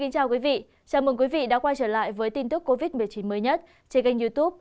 chào mừng quý vị đã quay trở lại với tin tức covid một mươi chín mới nhất trên kênh youtube